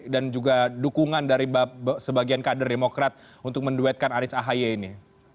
dan juga dukungan dari sebagian kader demokrat untuk menduetkan anies ahaye ini